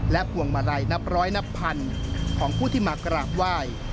พวงมาลัยนับร้อยนับพันของผู้ที่มากราบไหว้